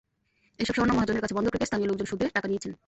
এসব স্বর্ণ মহাজনের কাছে বন্ধক রেখে স্থানীয় লোকজন সুদে টাকা নিয়েছেন।